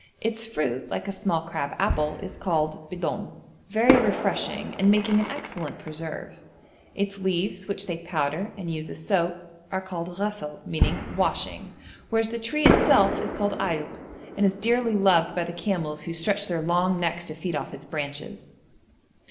Its fruit, like a small crab apple, is called b'dom, very refreshing, and making an excellent preserve; its leaves, which they powder and use as soap, are called ghasl, meaning 'washing'; whereas the tree itself is called ailb, and is dearly loved by the camels, who stretch their long necks to feed off its branches.